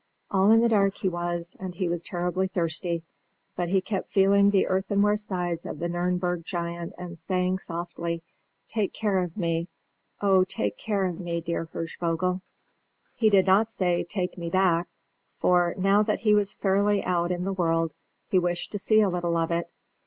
All in the dark he was, and he was terribly thirsty; but he kept feeling the earthenware sides of the Nürnberg giant and saying, softly, "Take care of me; oh, take care of me, dear Hirschvogel!" He did not say, "Take me back;" for, now that he was fairly out in the world, he wished to see a little of it.